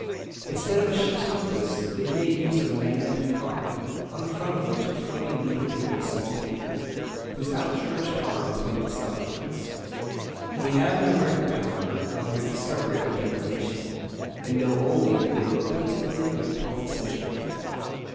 Instead of a ship's compass, they made use of a magnetic car, on the front of which a floating needle carried a small figure, whose outstretched arm pointed southwards. We have no record, however, of their discovery of the declination, and know only that they were acquainted with it in the twelfth century.